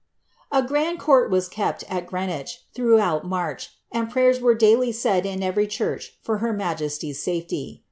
A grand court was kept, at Greenwich, throughout Blarch, «nd pray ers were daily said in every church for her majesty's safety.